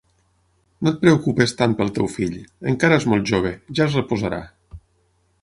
No et preocupis tant pel teu fill: encara és molt jove, ja es reposarà.